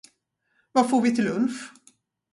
Vad får vi till lunch?